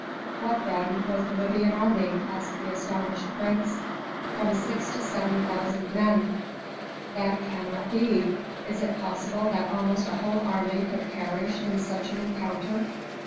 "What, then, was the Libyan army?" asked the astonished prince. "From six to seven thousand men." "That cannot be. Is it possible that almost a whole army could perish in such an encounter?"